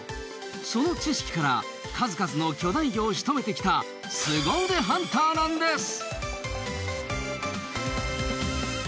その知識から数々の巨大魚をしとめてきたスゴ腕ハンターなんです！